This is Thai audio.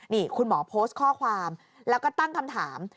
นี่คุณหมอโพสต์ข้อความแล้วก็ตั้งคำถาม